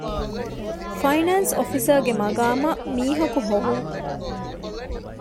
ފައިނޭންސް އޮފިސަރގެ މަޤާމަށް މީހަކު ހޮވުން